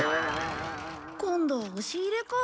今度は押し入れか。